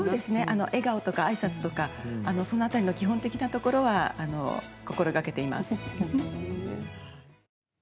笑顔とか、あいさつとかその辺りの基本的なところは心がけています。